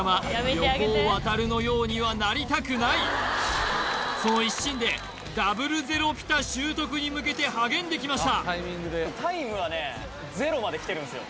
横尾渉のようにはなりたくないその一心でダブルゼロピタ習得に向けて励んできました